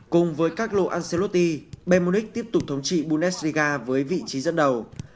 cùng với carlo ancelotti bayern munich tiếp tục thống trị bundesliga với vị trí dẫn đầu